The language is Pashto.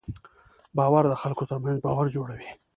باور د خلکو تر منځ باور جوړوي.